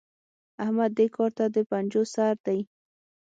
احمد دې کار ته د پنجو پر سر دی.